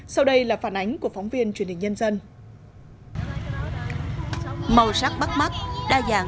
sau đây là phản ánh của phóng viên truyền hình nhân dân